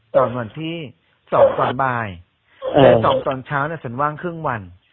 ตอนวันที่๒ตอนบ่ายและ๒ตอนเช้าเนี่ยฉันว่างครึ่งวัน